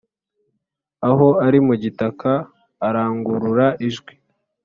aho ari mu gitaka arangurura ijwi,